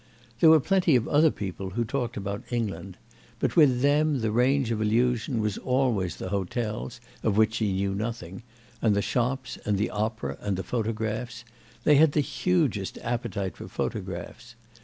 There were plenty of other people who talked about England; but with them the range of allusion was always the hotels, of which she knew nothing, and the shops and the opera and the photographs: they had the hugest appetite for photographs.